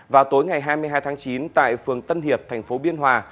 vào tối ngày hai mươi hai tháng chín tại phường tân hiệp thành phố biên hòa